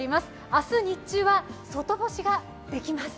明日日中は外干しができます。